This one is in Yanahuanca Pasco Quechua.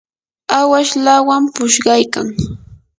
awash lawam pushqaykan.